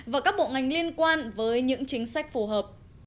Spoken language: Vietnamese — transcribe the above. và các bộ ngành liên quan với những chính sách phù hợp